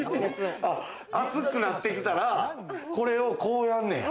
熱くなってきたら、これをこうやんねや。